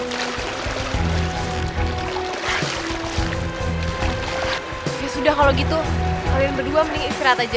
ya sudah kalau gitu kalian berdua mending istirahat aja